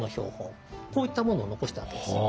こういったものを残したわけです。